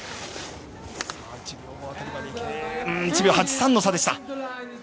１秒８３の差でした。